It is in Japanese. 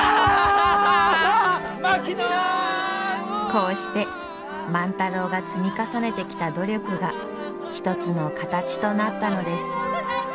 こうして万太郎が積み重ねてきた努力が一つの形となったのです。